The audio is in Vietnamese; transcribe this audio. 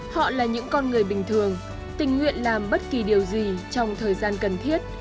họ là những con người bình thường tình nguyện làm bất kỳ điều gì trong thời gian cần thiết